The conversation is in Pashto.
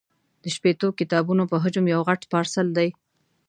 د شپېتو کتابونو په حجم یو غټ پارسل دی.